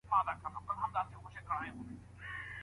ایا مسلکي بڼوال وچه میوه پلوري؟